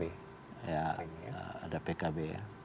iya ada pkb ya